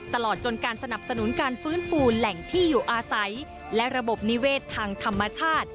ตลอดจนการสนับสนุนการฟื้นฟูแหล่งที่อยู่อาศัยและระบบนิเวศทางธรรมชาติ